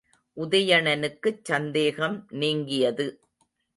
உதயணனுக்குச் சந்தேகம் நீங்கியது.